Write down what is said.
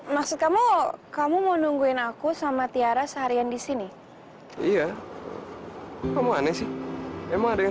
maksud kamu kamu mau nungguin aku sama tiara seharian di sini iya sih emang ada yang